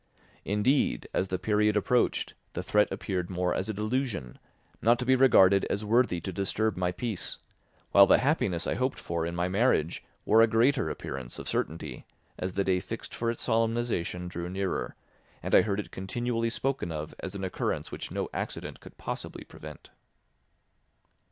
Indeed, as the period approached, the threat appeared more as a delusion, not to be regarded as worthy to disturb my peace, while the happiness I hoped for in my marriage wore a greater appearance of certainty as the day fixed for its solemnisation drew nearer and I heard it continually spoken of as an occurrence which no accident could possibly prevent.